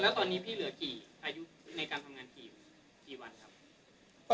แล้วตอนนี้พี่เหลือกี่อายุในการทำงานกี่วันครับ